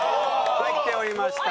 入っておりました。